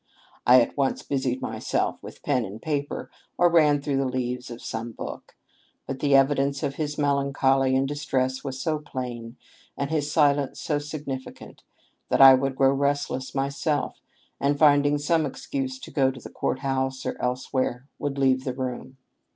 I at once busied myself with pen and paper, or ran through the leaves of some book ; but the evidence of his melancholy and distress was so plain, and his silence so significant, that I would grow restless myself, and finding some excuse to go to the court house or elsewhere, would leave the room.